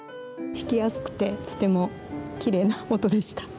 弾きやすくてとてもきれいな音でした。